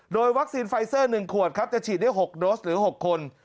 โดยวัคซีนไฟเซอร์๑ขวดครับจะฉีดได้๖โดสหรือ๖คน